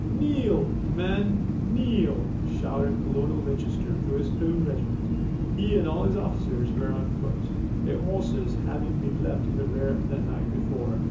"Kneel, men! Kneel!" shouted Colonel Winchester to his own regiment. He and all his officers were on foot, their horses having been left in the rear the night before.